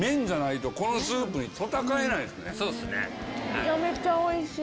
めちゃめちゃおいしい！